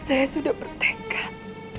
saya sudah bertekad